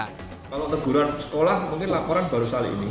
kalau teguran sekolah mungkin laporan baru kali ini